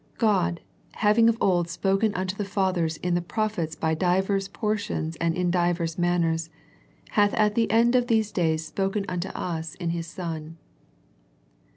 " God, having of old time spoken unto the fathers in the prophets by divers portions and in divers manners, hath at the end of theses^ days spoken unto us in His Son."